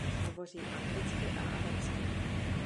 Hovoří anglicky a arabsky.